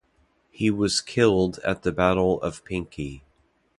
He was killed at the battle of Pinkie.